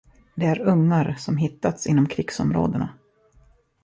Det är ungar, som hittats inom krigsområdena.